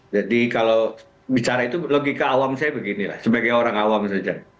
jadi kalau bicara itu logika awam saya begini lah sebagai orang awam saja